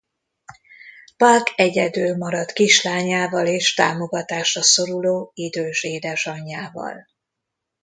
Pak egyedül maradt kislányával és támogatásra szoruló idős édesanyjával.